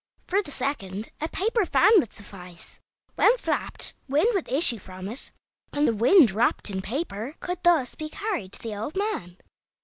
For the second a paper fan would suffice. When flapped, wind would issue from it, and the "wind wrapped in paper" could thus be carried to the old man.